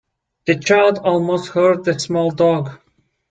The child almost hurt the small dog.